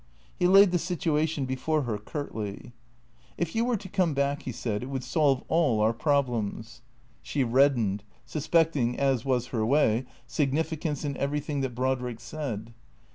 He laid the situation before her, curtly. THECEEATOES 331 " If you were to come back/' he said, " it would solve all our problems." She reddened, suspecting, as was her way, significance in everything that Brodrick said.